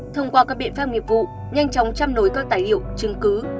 thông qua các biện pháp nghiệp vụ nhanh chóng chăm nối các tài liệu chứng cứ